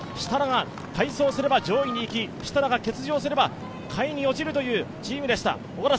設楽が快走すれば上位に行き、設楽が欠場すれば下位に落ちるというチームでした。